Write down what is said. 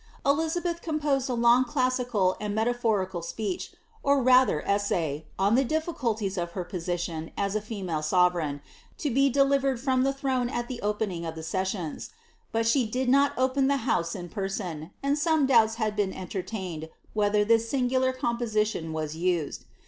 Elizabeth composed a long classical and meuiphorical speech, or rather essay, on the difficulties of her position as a female sovereign, to be Je tivered from the throne at the opening of the sessions ; but she did not open the house in person, and some doubts have been eniertaiaed whether this singular composiiion was used.